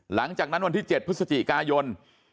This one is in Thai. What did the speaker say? หลังจากนั้นวันที่๗พฤศจิกายน